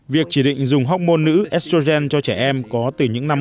việc chỉ định dùng hóc môn nữ estrogen cho trẻ em có từ những năm một nghìn chín trăm ba mươi sáu